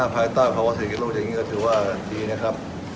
ภายใต้ภาวะเศรษฐกิจโลกอย่างนี้ก็ถือว่าดีนะครับ